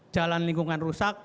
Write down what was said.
jalan lingkungan rusak